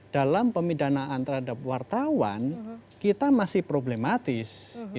dalam pemidanaan terhadap wartawan kita masih problematis